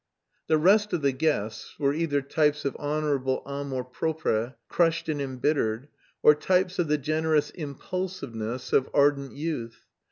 The rest of the guests were either types of honourable amour propre crushed and embittered, or types of the generous impulsiveness of ardent youth.